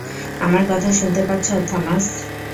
আমার কথা শুনতে পাচ্ছো, থমাস?